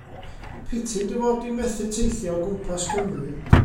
Piti dy fod di methu teithio o gwmpas Cymru.